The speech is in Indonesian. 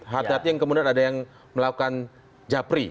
hati hati yang kemudian ada yang melakukan japri